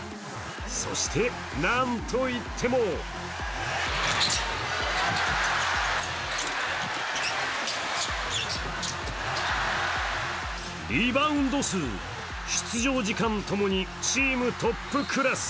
そしてなんといってもリバウンド数、出場時間ともにチームトップクラス。